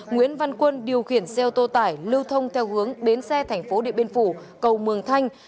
nguyễn văn quân điều khiển xe ô tô tải lưu thông theo hướng đến xe tp điện biên phủ cầu mường thanh